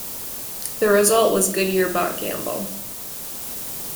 The result was Goodyear bought Gamble.